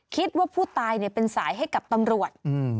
คิดว่าผู้ตายเป็นสายให้กับตำรวจ